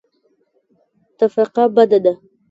تفرقه بده ده.